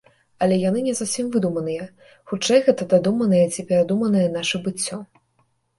Але яны не зусім выдуманыя, хутчэй гэта дадуманае ці перадуманае нашае быццё.